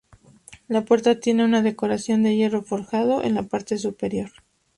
La puerta tiene una decoración de hierro forjado en la parte superior.